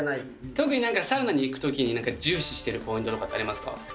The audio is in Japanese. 特になんかサウナに行くときになんか重視してるポイントとかってありますか？